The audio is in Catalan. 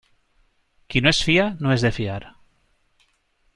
Qui no es fia no és de fiar.